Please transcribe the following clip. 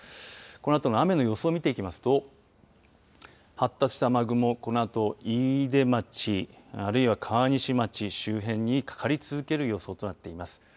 このあとの雨の予想を見ていきますと発達した雨雲、このあと飯豊町あるいは川西町周辺にかかり続ける予想となっています。